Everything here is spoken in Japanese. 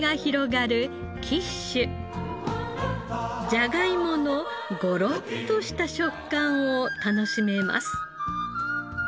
じゃがいものゴロッとした食感を楽しめます。